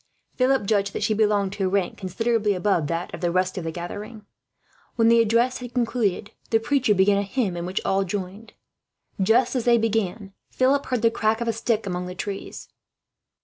Philip judged that she belonged to a rank considerably above that of the rest of the gathering. When the address had concluded, the preacher began a hymn in which all joined. Just as they began, Philip heard the crack of a stick among the trees.